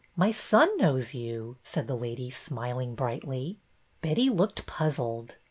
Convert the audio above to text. My son knows you," said the lady, smil ing brightly. Betty looked puzzled.